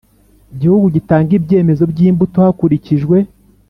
gihugu gitanga ibyemezo by imbuto hakurikijwe